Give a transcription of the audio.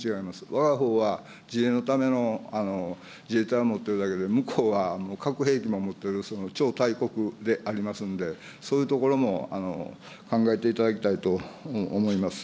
わがほうは自衛のための自衛隊を持ってるだけで、向こうは核兵器も持ってる超大国でありますんで、そういうところも考えていただきたいと思います。